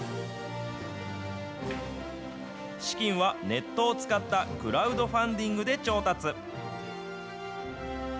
資金はネットを使ったクラウドファンディングで調達。